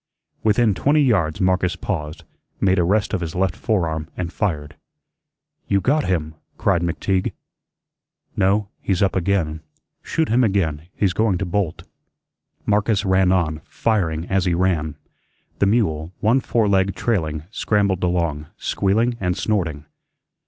Within twenty yards Marcus paused, made a rest of his left forearm and fired. "You GOT him," cried McTeague. "No, he's up again. Shoot him again. He's going to bolt." Marcus ran on, firing as he ran. The mule, one foreleg trailing, scrambled along, squealing and snorting.